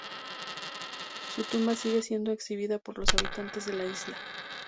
Su tumba sigue siendo exhibida por los habitantes de la isla.